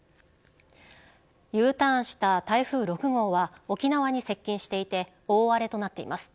Ｕターンした台風６号は沖縄に接近していて大荒れとなっています。